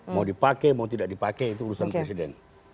mau dipake mau tidak dipake itu urusan presiden